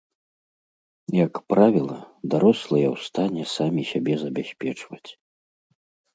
Як правіла, дарослыя ў стане самі сябе забяспечваць.